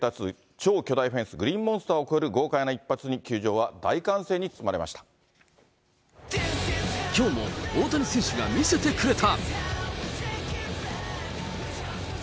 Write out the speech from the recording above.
超巨大フェンス、グリーンモンスターを超える豪快な一発に、きょうも大谷選手が見せてくれた。